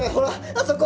あそこ。